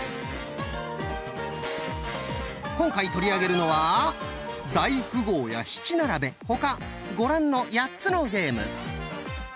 今回取り上げるのは大富豪や七並べ他ご覧の８つのゲーム。